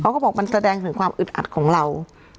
เขาบอกมันแสดงถึงความอึดอัดของเรา